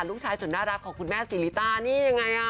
ลูกชายสุดน่ารักของคุณแม่สิริตานี่ยังไงอ่ะ